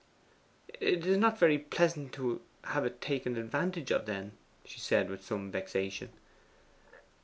'It is not very pleasant to have it taken advantage of, then,' she said with some vexation.